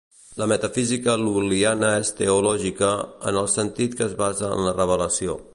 La metafísica lul·liana és teològica, en el sentit que es basa en la Revelació.